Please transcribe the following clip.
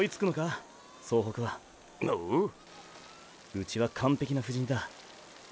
うちは完璧な布陣だ。